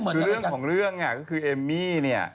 คือเรื่องของเรื่องเนี่ยก็คือเอมมี่เนี่ย